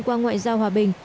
qua ngoại giao hòa bình